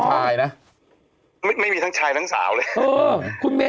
ชายนะไม่มีทั้งชายทั้งสาวเลย